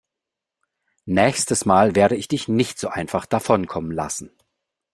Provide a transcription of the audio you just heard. Nächstes Mal werde ich dich nicht so einfach davonkommen lassen.